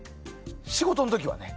仕事の時はね。